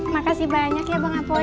makasih banyak ya bang apoli